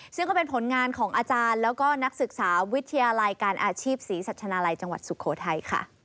ซึ่งก็เป็นผลงานของอาจารย์แล้วก็นักศึกษาวิทยาลัยการอาชีพศรีสัชนาลัยจังหวัดสุโขทัยค่ะ